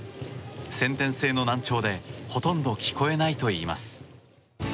先天性の難聴でほとんど聞こえないといいます。